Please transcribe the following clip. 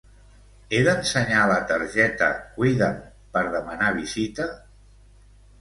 He d'ensenyar la targeta Cuida'm per demanar visita?